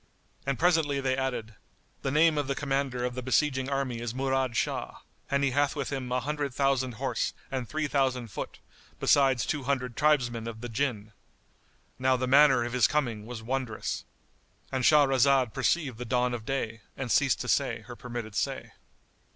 And presently they added, "The name of the commander of the besieging army is Murad Shah and he hath with him an hundred thousand horse and three thousand foot, besides two hundred tribesmen of the Jinn." Now the manner of his coming was wondrous.——And Shahrazad perceived the dawn of day and ceased to say her permitted say.